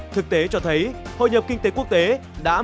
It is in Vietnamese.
thực tế cho thấy hội nhập kinh tế quốc tế đã mở ra cơ hội thu hút